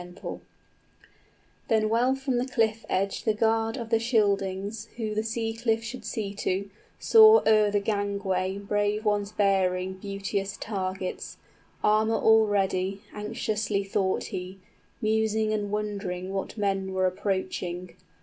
{They are hailed by the Danish coast guard} 40 Then well from the cliff edge the guard of the Scyldings Who the sea cliffs should see to, saw o'er the gangway Brave ones bearing beauteous targets, Armor all ready, anxiously thought he, Musing and wondering what men were approaching.